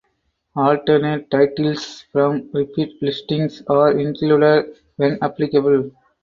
Alternate titles from repeat listings are included when applicable.